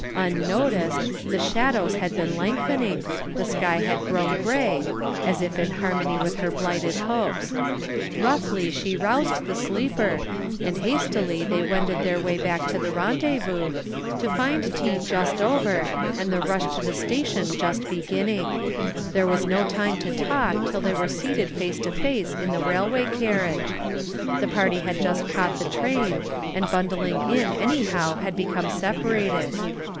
Unnoticed, the shadows had been lengthening, the sky had grown gray, as if in harmony with her blighted hopes. Roughly she roused the sleeper, and hastily they wended their way back to the rendezvous, to find tea just over and the rush to the station just beginning. There was no time to talk till they were seated face to face in the railway carriage. The party had just caught the train, and bundling in anyhow had become separated.